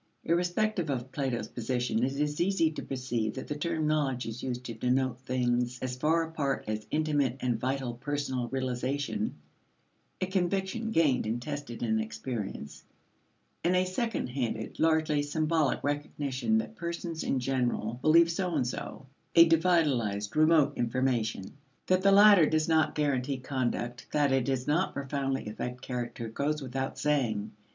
Irrespective of Plato's position, it is easy to perceive that the term knowledge is used to denote things as far apart as intimate and vital personal realization, a conviction gained and tested in experience, and a second handed, largely symbolic, recognition that persons in general believe so and so a devitalized remote information. That the latter does not guarantee conduct, that it does not profoundly affect character, goes without saying.